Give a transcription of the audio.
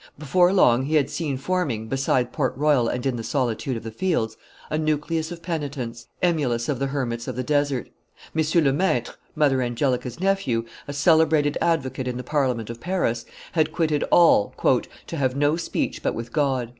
Before long he had seen forming, beside Port Royal and in the solitude of the fields, a nucleus of penitents, emulous of the hermits of the desert. M. Le Maitre, Mother Angelica's nephew, a celebrated advocate in the Parliament of Paris, had quitted all "to have no speech but with God."